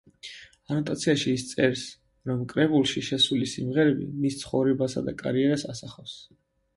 ანოტაციაში ის წერს, რომ კრებულში შესული სიმღერები მის ცხოვრებასა და კარიერას ასახავს.